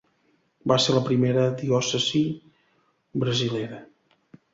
Va ser la primera diòcesi brasilera.